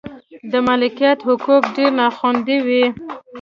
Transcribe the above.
د مالکیت حقوق ډېر نا خوندي و.